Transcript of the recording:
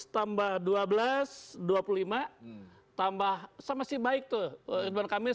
tambah dua belas dua puluh lima tambah saya masih baik tuh ridwan kamil